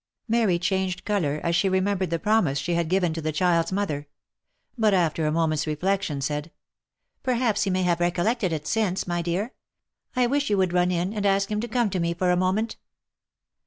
Mary changed colour, as she remembered the promise she had given to the child's mother; but after a moment's reflection, said, " Perhaps he may have recollected it, since, my dear — I wish you would run in, and ask him to come to me for a moment."